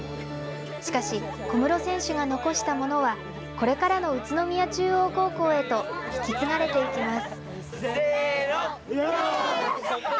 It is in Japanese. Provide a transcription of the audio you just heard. しかし、小室選手が残したものはこれからの宇都宮中央高校へと引き継がれていきます。